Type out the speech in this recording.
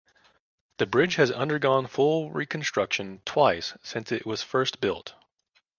The bridge has undergone full reconstruction twice since it was first built.